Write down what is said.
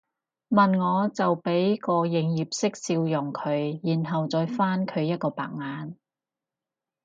問我就俾個營業式笑容佢然後再反佢一個白眼